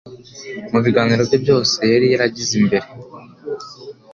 Mu biganiro bye byose yari yaragize mbere,